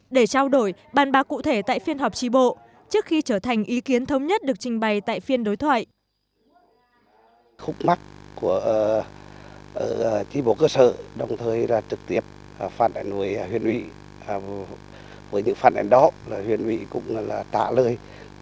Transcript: để trao đổi bàn bạc cụ thể tại phiên họp tri bộ trước khi trở thành ý kiến thống nhất được trình bày tại phiên đối thoại